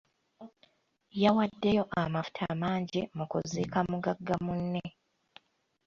Yawaddeyo amafuta mangi mu kuziika mugagga munne.